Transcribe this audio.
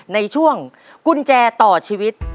ในช่วงกุญแจต่อชีวิต